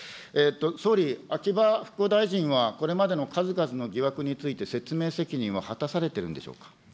総理、秋葉復興大臣はこれまでの数々の疑惑について、説明責任は果たされているんでしょうか。